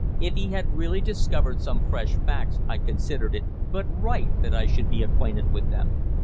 If he had really discovered some fresh facts I considered it but right that I should be acquainted with them.